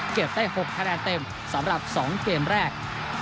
ได้๖คะแนนเต็มสำหรับ๒เกมแรก